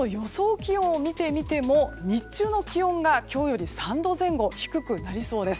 気温を見てみても日中の気温が今日より３度前後低くなりそうです。